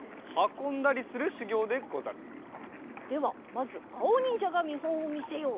ではまずあおにんじゃがみほんをみせよう。